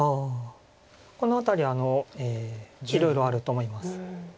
この辺りいろいろあると思います。